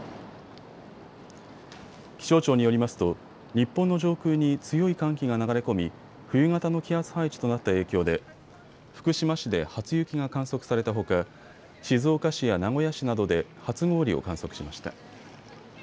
気象庁によりますと日本の上空に強い寒気が流れ込み冬型の気圧配置となった影響で福島市で初雪が観測されたほか静岡市や名古屋市などで初氷を観測しました。